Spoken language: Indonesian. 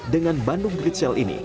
dengan bandung great sale ini